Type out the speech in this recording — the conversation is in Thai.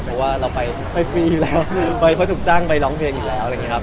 เพราะว่าเราไปฟรีแล้วเพราะถูกจ้างไปร้องเพลงอีกแล้ว